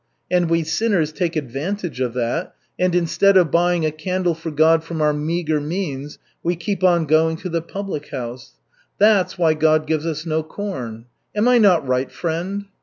And we sinners take advantage of that, and instead of buying a candle for God from our meager means, we keep on going to the public house. That's why God gives us no corn. Am I not right, friend?"